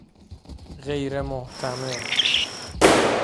غیر محتمل